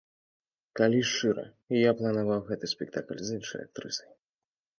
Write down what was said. Калі шчыра, я планаваў гэты спектакль з іншай актрысай.